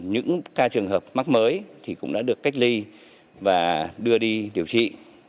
những ca trường hợp mắc mới cũng đã được cách ly và đưa đi điều trị